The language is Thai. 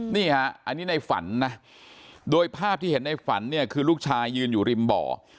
นี่ฮะอันนี้ในฝันนะโดยภาพที่เห็นในฝันเนี่ยคือลูกชายยืนอยู่ริมบ่อ